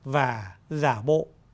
và giả bộ